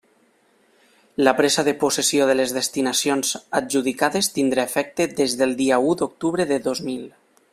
La presa de possessió de les destinacions adjudicades tindrà efecte des del dia u d'octubre de dos mil.